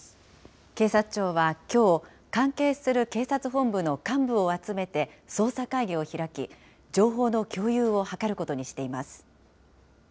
警察庁はきょう、関係する警察本部の幹部を集めて捜査会議を開き、情報の共有を図ることにしています。